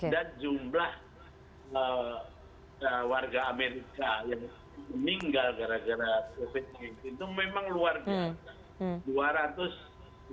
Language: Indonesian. jumlah warga amerika yang meninggal gara gara covid sembilan belas itu memang luar biasa